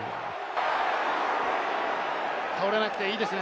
倒れなくていいですね。